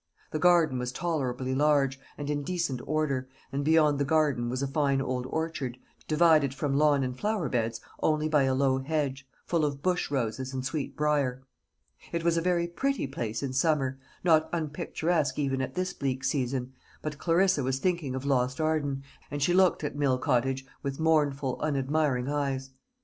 The garden was tolerably large, and in decent order, and beyond the garden was a fine old orchard, divided from lawn and flower beds only by a low hedge, full of bush roses and sweet brier. It was a very pretty place in summer, not unpicturesque even at this bleak season; but Clarissa was thinking of lost Arden, and she looked at Mill Cottage with mournful unadmiring eyes.